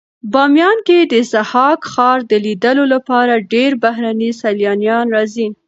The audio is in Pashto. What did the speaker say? بامیان کې د ضحاک ښار د لیدلو لپاره ډېر بهرني سېلانیان راځي.